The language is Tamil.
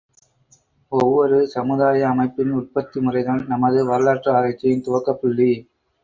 ஒவ்வொரு சமுதாய அமைப்பின் உற்பத்தி முறைதான் நமது வரலாற்று ஆராய்ச்சியின் துவக்கப்புள்ளி.